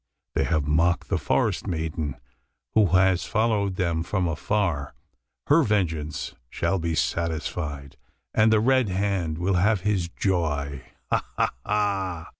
They have mocked the forest maiden, who has followed them from afar. Her vengeance shall be satisfied; and the Red Hand will have his joy ha, ha, ha!"